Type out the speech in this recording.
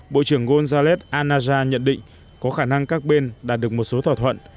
bộ trưởng gonzález anaya nhận định có khả năng các bên đạt được một số thỏa thuận